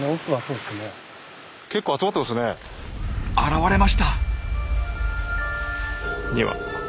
現れました。